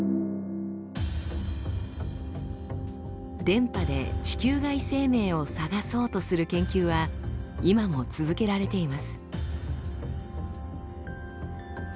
電波で地球外生命を探そうとする研究は今も続けられています。